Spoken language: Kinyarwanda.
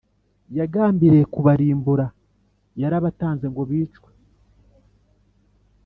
Yagambiriye kubarimbura, yarabatanze ngo bicwe.